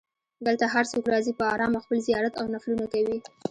دلته هر څوک راځي په ارامه خپل زیارت او نفلونه کوي.